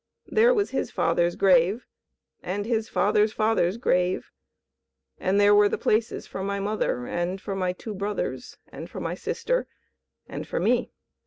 There was his father's grave, and his father's father's grave, and there were the places for my mother and for my two brothers and for my sister and for me.